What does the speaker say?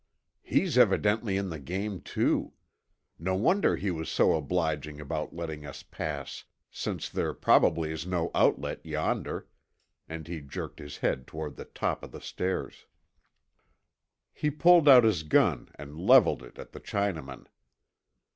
"He's evidently in the game, too. No wonder he was so obliging about letting us pass, since there probably is no outlet yonder," and he jerked his head toward the top of the stairs. He pulled out his gun and leveled it at the Chinaman.